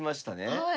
はい。